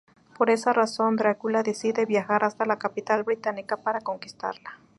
Por esa razón, Drácula decide viajar hasta la capital británica para conquistarla.